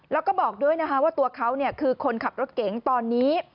แล้วก็บอกด้วยนะคะว่าตัวเขาคือคนขับรถเก๋งตอนนี้